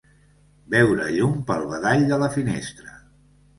Veure llum pel badall de la finestra.